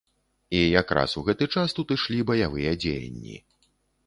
І якраз у гэты час тут ішлі баявыя дзеянні.